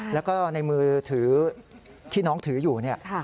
แล้วก็ในมือถือที่น้องถืออยู่เนี่ย